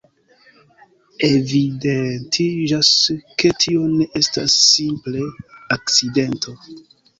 Evidentiĝas, ke tio ne estas simple akcidento.